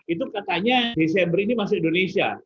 itu katanya desember ini masuk indonesia